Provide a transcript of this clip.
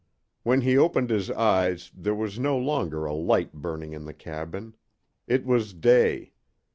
When he opened his eyes there was no longer a light burning in the cabin. It was day.